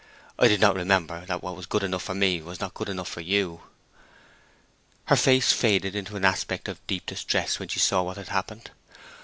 I did not remember that what was good enough for me was not good enough for you." Her face faded into an aspect of deep distress when she saw what had happened.